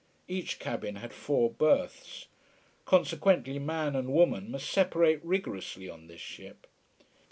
Each cabin had four berths. Consequently man and woman must separate rigorously on this ship.